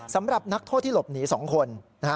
สำหรับนักโทษที่หลบหนี๒คน